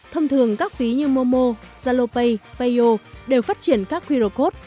thông thường các phí như momo zalopay payo đều phát triển các qr code